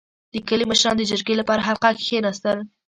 • د کلي مشران د جرګې لپاره حلقه کښېناستل.